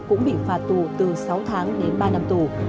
cũng bị phạt tù từ sáu tháng đến ba năm tù